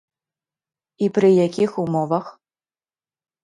І пры якіх умовах?